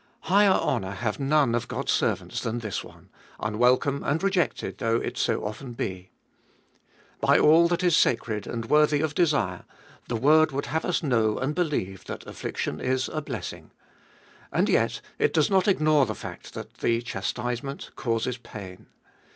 Higher honour have none of God's servants than this one, unwelcome and rejected though it so often be. By all that is sacred and worthy of desire, the word would have us know and believe that affliction is a blessing. And yet it does not ignore the fact that the chastisement causes pain.